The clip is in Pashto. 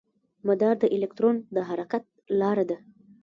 مدار د الکترون د حرکت لاره ده.